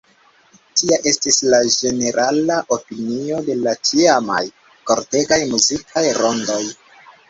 Tia estis la ĝenerala opinio de la tiamaj kortegaj muzikaj rondoj.